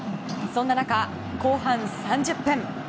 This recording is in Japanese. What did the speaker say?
そんな中、後半３０分。